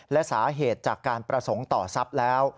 และสาเหตุจากการประสงค์ต่อทรัพย์แล้ว